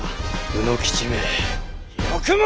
卯之吉めよくも！